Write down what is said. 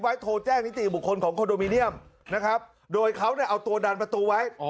โทรแจ้งนิติบุคคลของคอนโดมิเนียมนะครับโดยเขาเนี่ยเอาตัวดันประตูไว้